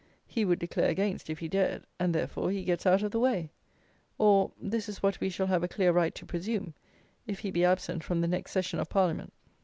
He would declare against, if he dared; and, therefore, he gets out of the way! Or, this is what we shall have a clear right to presume, if he be absent from the next session of Parliament.